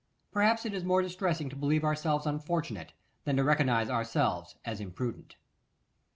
Perhaps it is more distressing to believe ourselves unfortunate, than to recognise ourselves as imprudent.